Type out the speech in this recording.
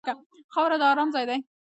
خاوره د ارام ځای دی.